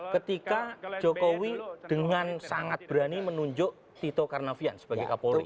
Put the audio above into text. ketika jokowi dengan sangat berani menunjuk tito karnavian sebagai kapolri